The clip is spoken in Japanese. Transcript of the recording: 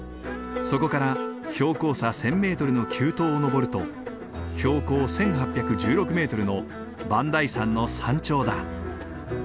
そこから標高差１，０００メートルの急登を登ると標高１，８１６メートルの磐梯山の山頂だ。